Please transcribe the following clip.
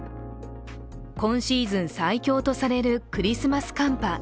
今シーズン最強とされるクリスマス寒波。